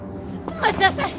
待ちなさい！